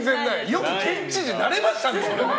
よく県知事になれましたね！